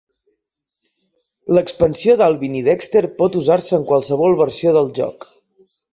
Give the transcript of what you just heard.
L'expansió d'Alvin i Dexter pot usar-se en qualsevol versió del joc.